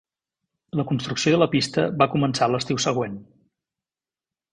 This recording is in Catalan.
La construcció de la pista va començar l'estiu següent.